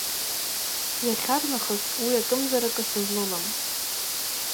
Иахьарнахыс уи акымзаракы сызлылам.